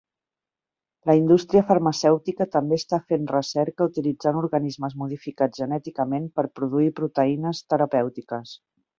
La indústria farmacèutica també està fent recerca utilitzant organismes modificats genèticament per produir proteïnes terapèutiques.